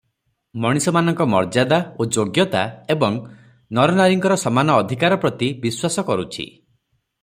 ମଣିଷମାନଙ୍କ ମର୍ଯ୍ୟାଦା ଓ ଯୋଗ୍ୟତା, ଏବଂ ନରନାରୀଙ୍କର ସମାନ ଅଧିକାର ପ୍ରତି ବିଶ୍ୱାସ କରୁଛି ।